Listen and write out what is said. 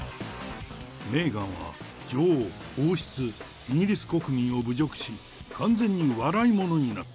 メーガンは、女王、王室、イギリス国民を侮辱し、完全に笑い者になった。